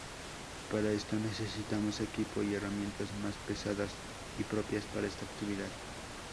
Para esto necesitamos equipo y herramientas más pesadas y propias para esta actividad.